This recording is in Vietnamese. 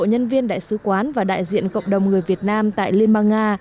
nhân viên đại sứ quán và đại diện cộng đồng người việt nam tại liên bang nga